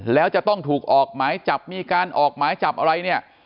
แล้วจะต้องถูกออกหมายจับมีการออกหมายจับอะไรเนี่ย